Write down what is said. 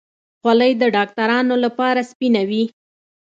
خولۍ د ډاکترانو لپاره سپینه وي.